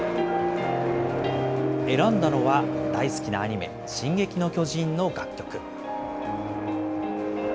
選んだのは、大好きなアニメ、進撃の巨人の楽曲。